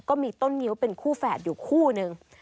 ก็มีต้นงิ้วเป็นคู่แฝดอยู่คู่นึง